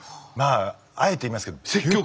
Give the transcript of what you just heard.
まああえて言いますけど。